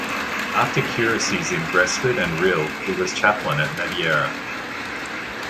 After curacies in Gresford and Rhyl he was Chaplain at Madeira.